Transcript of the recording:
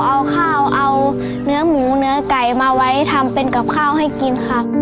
เอาค่าวเอาเนื้อหมูเนื้อไก่มาทำกลับข้าวให้กิน